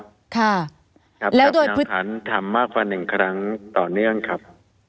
พยาบาลฐานทำมากกว่าหนึ่งครั้งต่อเนื่องครับ